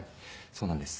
そうなんです。